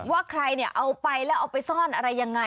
ว่าใครเนี่ยเอาไปแล้วเอาไปซ่อนอะไรยังไง